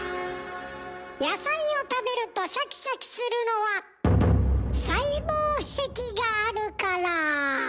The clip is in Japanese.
野菜を食べるとシャキシャキするのは細胞壁があるから。